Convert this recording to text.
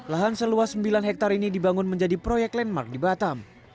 lahan seluas sembilan hektare ini dibangun menjadi proyek landmark di batam